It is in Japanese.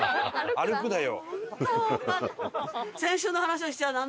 歩くだよ。